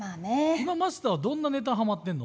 今マスターはどんなネタハマってんの？